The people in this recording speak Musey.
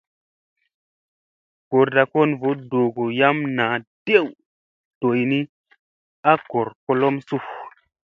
Goorda kon voo doogo yam naa dew doyni a goor kolom su ?